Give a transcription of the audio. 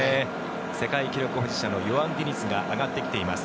世界記録保持者のヨアン・ディニズが上がってきています。